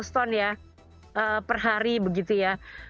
satu dua ratus ton ya per hari begitu ya